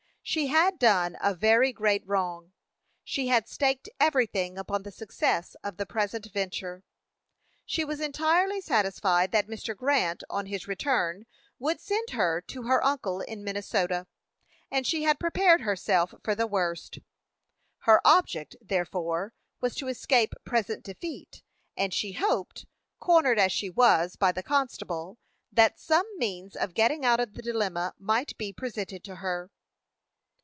She had done a very great wrong; she had staked everything upon the success of the present venture. She was entirely satisfied that Mr. Grant, on his return, would send her to her uncle in Minnesota, and she had prepared herself for the worst. Her object, therefore, was to escape present defeat, and she hoped, cornered as she was by the constable, that some means of getting out of the dilemma might be presented to her.